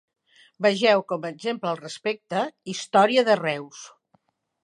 Vegeu, com a exemple al respecte, Història de Reus.